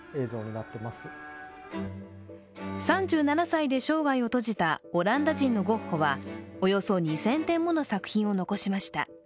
３７歳で生涯を閉じたオランダ人のゴッホはおよそ２０００点もの作品を残しました。